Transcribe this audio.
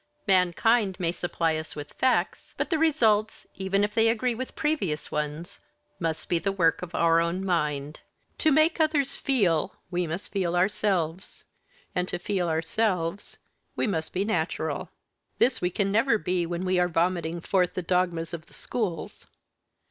Mankind may supply us with facts; but the results, even if they agree with previous ones, must be the work of our own mind. To make others feel, we must feel ourselves; and to feel ourselves, we must be natural. This we can never be when we are vomiting forth the dogmas of the schools.